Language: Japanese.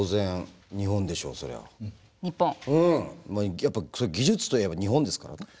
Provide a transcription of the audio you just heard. やっぱ技術といえば日本ですからね。